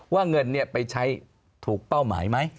ว่าเงินไปใช้ถูกเป้าหมายไหม